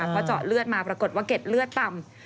เพราะเจาะเลือดมาปรากฏว่าเก็ดเลือดต่ำ